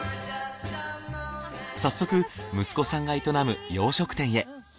早速息子さんが営む洋食店へ。